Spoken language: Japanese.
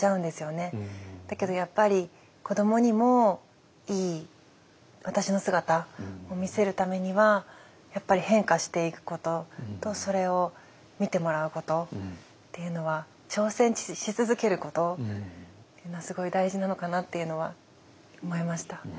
だけどやっぱり子どもにもいい私の姿を見せるためにはやっぱり変化していくこととそれを見てもらうことっていうのは挑戦し続けることっていうのはすごい大事なのかなっていうのは思いました。